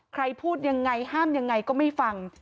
พูดยังไงห้ามยังไงก็ไม่ฟัง